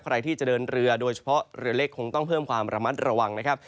ใครที่จะเดินเรือโดยเฉพาะเรือเล็กคงต้องเพิ่มความระมัดระวังนะครับ